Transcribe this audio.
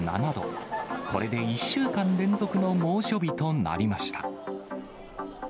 これで１週間連続の猛暑日となりました。